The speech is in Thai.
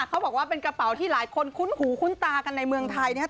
เขาบอกว่าเป็นกระเป๋าที่หลายคนคุ้นหูคุ้นตากันในเมืองไทยนะครับ